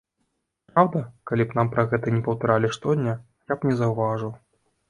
Праўда, калі б нам пра гэта не паўтаралі штодня, я б не заўважыў.